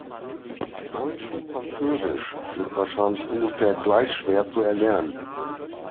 Deutsch und Französisch sind wahrscheinlich ungefähr gleich schwer zu erlernen.